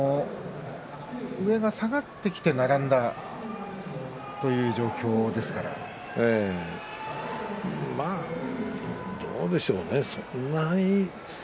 上が下がってきて並んだというどうでしょうかね。